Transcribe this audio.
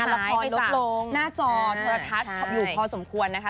หายไปจากหน้าจอโทรทัศน์อยู่พอสมควรนะคะ